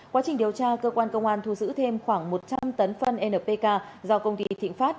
quá trình điều tra cơ quan công an thu giữ thêm khoảng một trăm linh tấn phân npk do công ty thịnh pháp